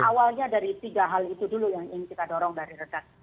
awalnya dari tiga hal itu dulu yang ingin kita dorong dari rekan